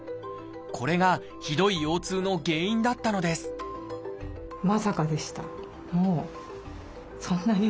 これがひどい腰痛の原因だったのですまさかでした。